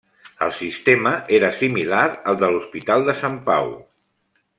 El sistema era similar al de l'Hospital de Sant Pau.